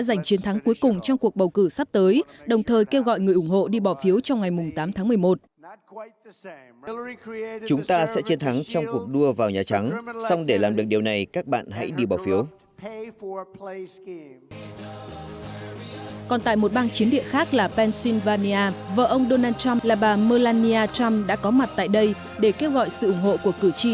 vania vợ ông donald trump là bà melania trump đã có mặt tại đây để kêu gọi sự ủng hộ của cử tri